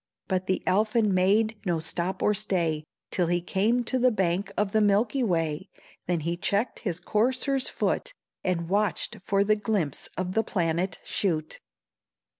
But the Elfin made no stop or stay Till he came to the bank of the milky way, Then he checked his courser's foot, And watched for the glimpse of the planet shoot.